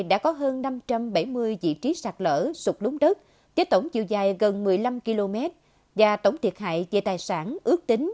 là dự trí sạt lở sụt lúng đất chế tổng chiều dài gần một mươi năm km và tổng thiệt hại về tài sản ước tính